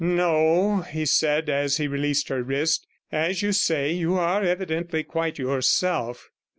'No,' he said, as he released her wrist, 'as you say, you are evidently quite yourself.